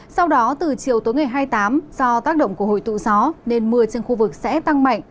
sau đó từ chiều tối ngày hai mươi tám do tác động của hội tụ gió nên mưa trên khu vực sẽ tăng mạnh